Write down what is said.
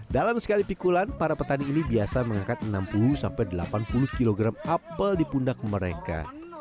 dalam sekali pikulan para petani ini biasa mengangkat enam puluh delapan puluh kg apel di pundak mereka